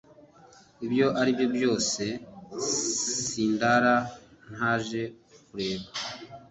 - ibyo ari byo byose sindara ntaje kukureba.